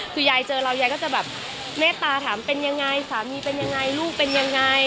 คือยายเจอเรายายก็จะแบบเมตตาถามเป็นยังไงสามีเป็นยังไงลูกเป็นยังไง